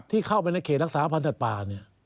ที่เข้าไปในเขตรักษาพันธ์สัตว์ป่าเนี่ย